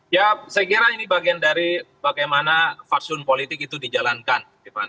ya saya kira ini bagian dari bagaimana faksun politik itu dijalankan